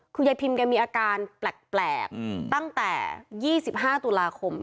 คุณยายพิมแกมีอาการแปลกตั้งแต่๒๕ตุลาคม